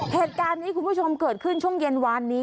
เหตุการณ์นี้คุณผู้ชมเกิดขึ้นช่วงเย็นวานนี้